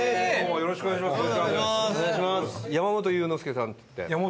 よろしくお願いします。